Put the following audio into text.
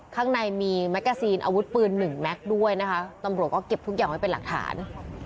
ข้างในมีแมกกาซีนอาวุธปืนหนึ่งแม็กซ์ด้วยนะคะตำรวจก็เก็บทุกอย่างไว้เป็นหลักฐาน